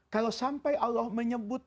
kalau sampai allah menyebut